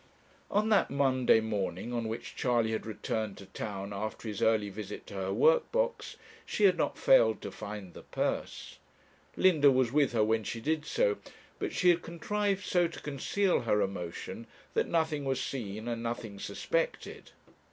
On that Monday morning, on which Charley had returned to town after his early visit to her workbox, she had not failed to find the purse. Linda was with her when she did so, but she had contrived so to conceal her emotion, that nothing was seen and nothing suspected.